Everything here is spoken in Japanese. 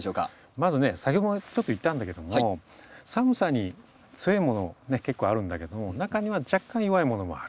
まずね先ほどもちょっと言ったんだけども寒さに強いもの結構あるんだけども中には若干弱いものもある。